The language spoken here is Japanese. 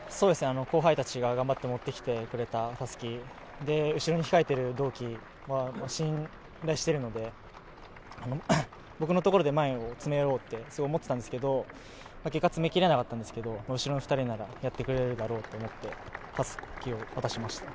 後輩たちが頑張って持ってきてくれたたすきで後ろに控えている同期は信頼してるので僕のところで前を詰めようと思っていたんですけど結果、詰め切れなかったんですけど後ろの２人ならやってくれるだろうと思ってたすきを渡しました。